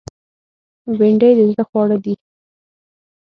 بېنډۍ د زړه خواړه دي